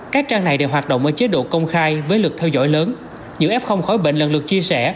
các trang này đều hoạt động ở chế độ công khai với lực theo dõi lớn giữ ép không khỏi bệnh lần lượt chia sẻ